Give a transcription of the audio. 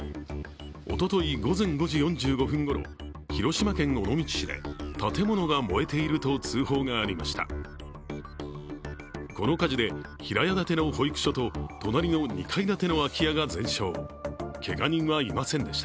おととい午前５時４５分ごろ、広島県尾道市で建物が燃えていると通報がありました。